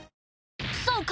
そうか！